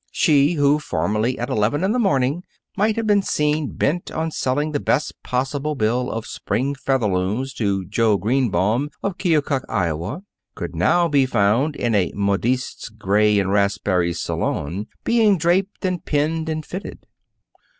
She, who formerly, at eleven in the morning, might have been seen bent on selling the best possible bill of spring Featherlooms to Joe Greenbaum, of Keokuk, Iowa, could now be found in a modiste's gray and raspberry salon, being draped and pinned and fitted.